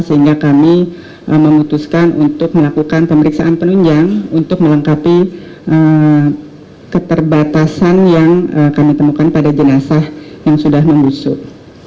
sehingga kami memutuskan untuk melakukan pemeriksaan penunjang untuk melengkapi keterbatasan yang kami temukan pada jenazah yang sudah membusuk